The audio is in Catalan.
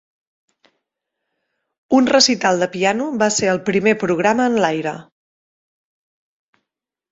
Un recital de piano va ser el primer programa en l'aire.